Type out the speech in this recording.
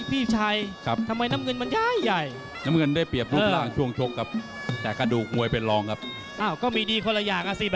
พี่ชายทำไมน้ำเงินมันย้ายใหญ่